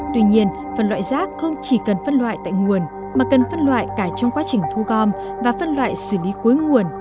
tuy nhiên phân loại rác không chỉ cần phân loại tại nguồn mà cần phân loại cả trong quá trình thu gom và phân loại xử lý cuối nguồn